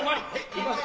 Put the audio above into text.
行きます。